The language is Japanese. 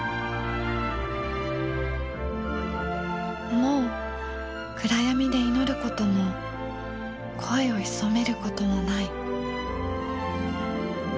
もう暗闇で祈ることも声を潜めることもない。